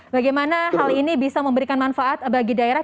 bagaimana hal ini bisa memberikan manfaat bagi daerah